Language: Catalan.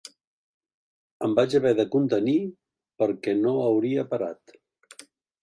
Em vaig haver de contenir perquè no hauria parat.